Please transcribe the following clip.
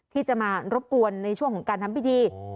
ที่จะมารบกวนในช่วงของการทำพิธี